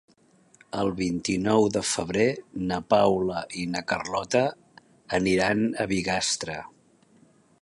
El vint-i-nou de febrer na Paula i na Carlota aniran a Bigastre.